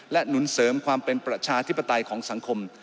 หนุนเสริมความเป็นประชาธิปไตยของสังคม